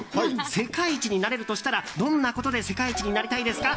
世界一になれるとしたらどんなことで世界一になりたいですか？